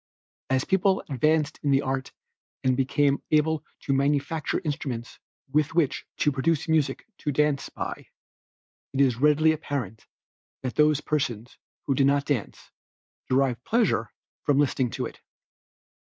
As people advanced in the art and became able to manufacture instruments with which to produce music to dance by, it is readily apparent that those persons who did not dance, derived pleasure from listening to it.